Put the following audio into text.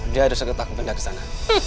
dia udah serta aku pindah kesana